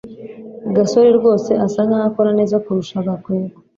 gasore rwose asa nkaho akora neza kurusha gakwego